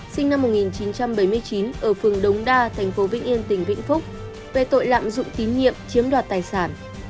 sinh năm một nghìn chín trăm bảy mươi chín ở phường đống đa thành phố vĩnh yên tỉnh vĩnh phúc về tội lạm dụng tín nhiệm chiếm đoạt tài sản